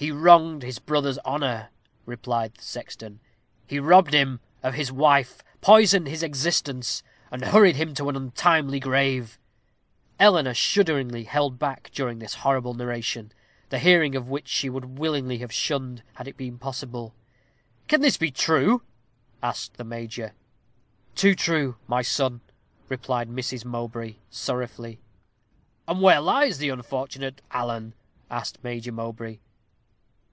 "He wronged his brother's honor," replied the sexton; "he robbed him of his wife, poisoned his existence, and hurried him to an untimely grave." Eleanor shudderingly held back during this horrible narration, the hearing of which she would willingly have shunned, had it been possible. "Can this be true?" asked the major. "Too true, my son," replied Mrs. Mowbray, sorrowfully. "And where lies the unfortunate Alan?" asked Major Mowbray.